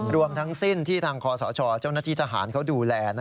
รวมทั้งสิ้นที่ทางคอสชเจ้าหน้าที่ทหารเขาดูแล